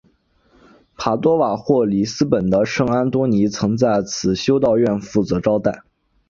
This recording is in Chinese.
帕多瓦或里斯本的圣安多尼曾在此修道院负责招待。